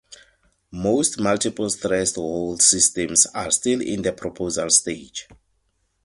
Most multiple-threshold systems are still in the proposal stage.